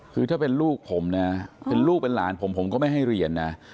คือถ้าเป็นลูกผมนะเป็นลูกเป็นหลานผมผมก็ไม่ให้เรียนนะ